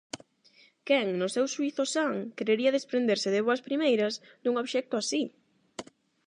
Quen, no seu xuízo san, querería desprenderse de boas primeiras dun obxecto así?